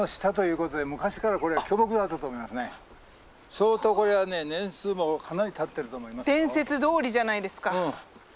相当これはね年数もかなりたってると思います。